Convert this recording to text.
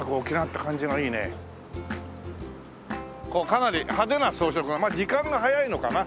かなり派手な装飾がまあ時間が早いのかな。